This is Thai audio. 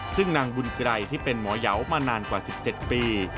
ซึ่งนางบุญไกรที่เป็นหมอยาวมานานกว่า๑๗ปี